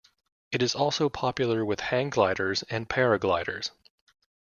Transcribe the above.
It is also popular with hang gliders and paragliders.